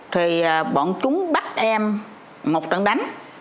thì bọn chúng bắt em một trận đánh